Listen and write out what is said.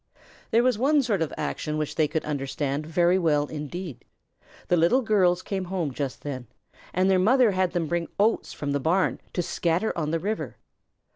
There was one sort of action which they could understand very well indeed. The Little Girls came home just then and their mother had them bring oats from the barn to scatter on the river.